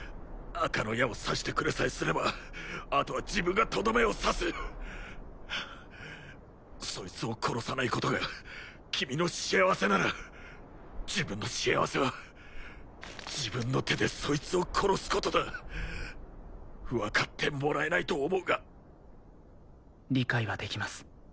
赤の矢を刺してくれさえすればあとは自分がとどめを刺すそいつを殺さないことが君の幸せなら自分の幸せは自分の手でそいつを殺すことだ分かってもらえないと思うが理解はできます